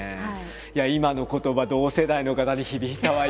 いや今の言葉同世代の方に響いたわよ！